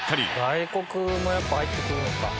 外国もやっぱ入ってくるのか。